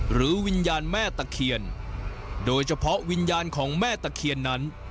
หรือวิญญาณแม่ตะเคียนโดยเฉพาะวิญญาณของแม่ตะเคียนนั้น